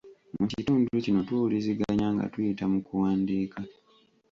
Mu kitundu kino tuwuliziganya nga tuyita mu kuwandiika.